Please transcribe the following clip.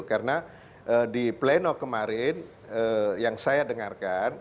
karena di pleno kemarin yang saya dengarkan